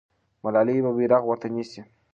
ملالۍ به بیرغ ورته ونیسي.